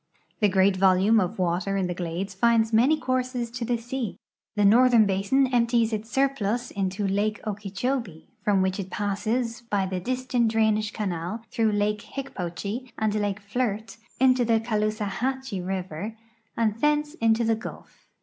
The great volume of water in the glades finds many courses to the sea. The northern l)asin emi)ties its surplus into lake Okee chobee, from which it passes by the Disston drainage canal through lake IIicj)ochee and lake Flirt into the Caloosahatchee river and tlience into the Gulf.